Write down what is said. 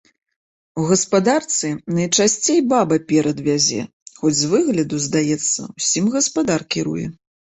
У гаспадарцы найчасцей баба перад вядзе, хоць з выгляду здаецца, усім гаспадар кіруе.